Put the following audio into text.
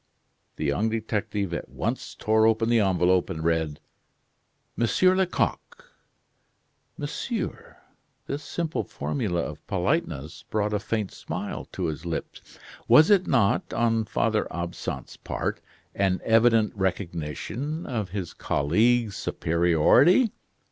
The young detective at once tore open the envelope and read: "Monsieur Lecoq " "Monsieur?" This simple formula of politeness brought a faint smile to his lips. Was it not, on Father Absinthe's part, an evident recognition of his colleague's superiority.